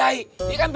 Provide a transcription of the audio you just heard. apa sih lu sasut sasut